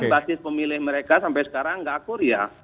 tapi basis pemilih mereka sampai sekarang gak akur ya